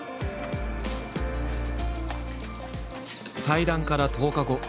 対談から１０日後。